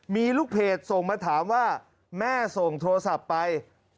มีลูกเพจส่งมาถามว่าแม่ส่งโทรศัพท์ไป